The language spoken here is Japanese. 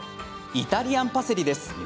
イタリアンパセリです。